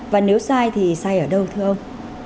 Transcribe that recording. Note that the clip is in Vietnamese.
và nếu sai thì sai ở đâu thưa ông